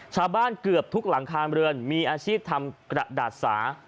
เกือบทุกหลังคาเรือนมีอาชีพทำกระดาษสา